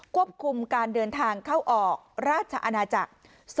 ควบคุมการเดินทางเข้าออกราชอาณาจักร